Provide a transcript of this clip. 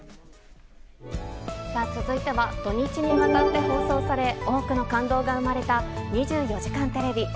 続いては、土日にわたって放送され、多くの感動が生まれた、２４時間テレビ。